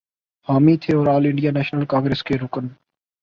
حامی تھے اور آل انڈیا نیشنل کانگریس کے رکن